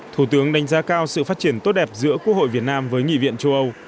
thủ tướng đánh giá cao sự phát triển tốt đẹp giữa quốc hội việt nam với nghị viện châu âu